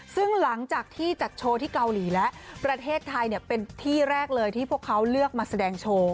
ซึ่งหลังจากที่จัดโชว์ที่เกาหลีและประเทศไทยเป็นที่แรกเลยที่พวกเขาเลือกมาแสดงโชว์